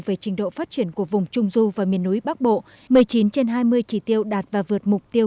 về trình độ phát triển của vùng trung du và miền núi bắc bộ một mươi chín trên hai mươi chỉ tiêu đạt và vượt mục tiêu